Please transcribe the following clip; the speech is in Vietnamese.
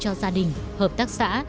cho gia đình hợp tác xã